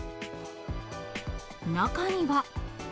中には。